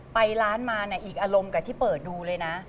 ไปร้านมาเนี่ยอีกอารมณ์กับที่เปิดดูเลยนะ